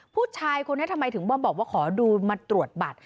ผู้ชายคนนี้ทำไมถึงมาบอกว่าขอดูมาตรวจบัตร